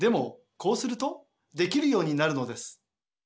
こうするとできるようになるのです。